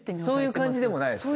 そういう感じでもない？